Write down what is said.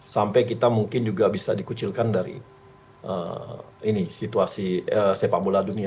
sampai kita mungkin juga bisa dikucilkan dari situasi sepak bola dunia